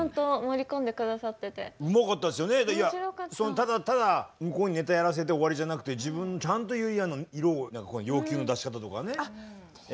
ただただ向こうにネタやらせて終わりじゃなくて自分のちゃんとゆりやんの色を要求の出し方とかね。